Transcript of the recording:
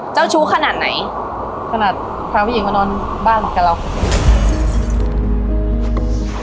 เจ้าชู้ขนาดไหนขนาดพาผู้หญิงมานอนบ้านกับเรา